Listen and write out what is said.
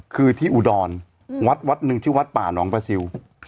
คือที่อุดรวัดนึงชื่อวัดป่านองค์ประซิล